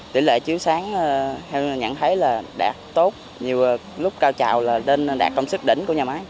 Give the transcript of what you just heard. tỉ lệ chiếu sáng theo nhận thấy là đạt tốt nhiều lúc cao trào là nên đạt công suất đỉnh của nhà máy